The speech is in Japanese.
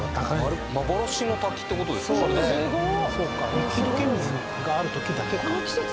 雪解け水があるときだけか。